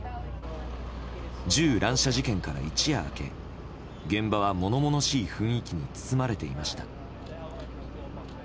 銃乱射事件から一夜明け現場は物々しい雰囲気に包まれていました。